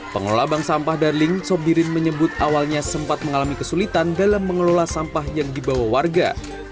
pengelola bank sampah darling sobirin menyebut awalnya sempat mengalami kesulitan dalam mengelola sampah yang dibawa warga